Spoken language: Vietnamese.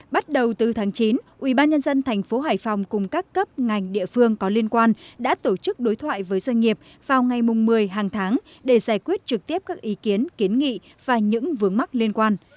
bắt đầu từ tháng chín ubnd tp hải phòng cùng các cấp ngành địa phương có liên quan đã tổ chức đối thoại với doanh nghiệp vào ngày một mươi hàng tháng để giải quyết trực tiếp các ý kiến kiến nghị và những vướng mắc liên quan